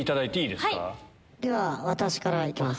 では私から行きます。